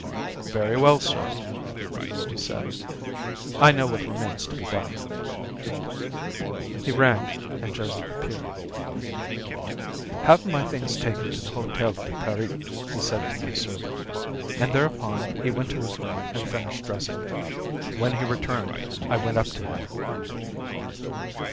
"Very well, sir," he said, "I know what remains to be done." He rang and Joseph appeared. "Have my things taken to the Hotel de Paris," he said to my servant. And thereupon he went to his room and finished dressing. When he returned, I went up to him.